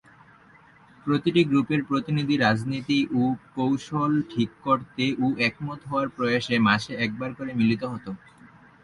প্রতিটা গ্রুপের প্রতিনিধি রাজনীতি ও কৌশল ঠিক করতে ও একমত হওয়ার প্রয়াসে মাসে একবার করে মিলিত হত।